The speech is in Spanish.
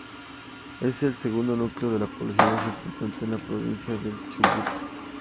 Es el segundo núcleo de población más importante de la Provincia del Chubut.